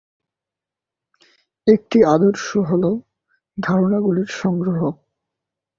একটি আদর্শ হ'ল ধারণাগুলির সংগ্রহ।